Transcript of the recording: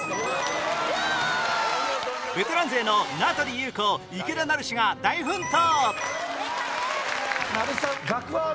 ベテラン勢の名取裕子池田成志が大奮闘！